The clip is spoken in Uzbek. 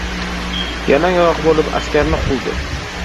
Yalang oyoq bo‘lib askarni quvdi.